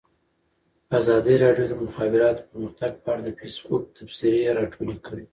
ازادي راډیو د د مخابراتو پرمختګ په اړه د فیسبوک تبصرې راټولې کړي.